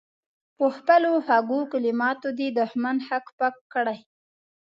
په خپلو خوږو کلماتو دې دښمن هک پک کړي.